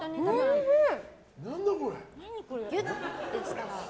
おいしい！